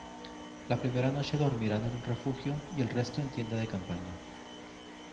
La primera noche dormirán en un refugio y el resto en tienda de campaña.